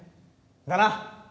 だな